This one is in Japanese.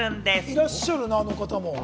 いらっしゃるね、あの方も。